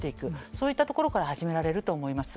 そういったところから始められると思います。